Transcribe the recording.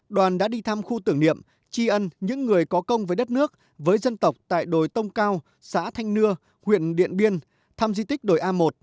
đoàn đã đi thăm khu tưởng niệm tri ân những người có công với đất nước với dân tộc tại đồi tông cao xã thanh nưa huyện điện biên thăm di tích đồi a một